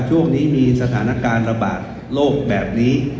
ช่วงนี้มีสถานการณ์ระบาดโลกแบบนี้